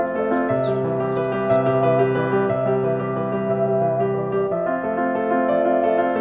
di kawasan bawah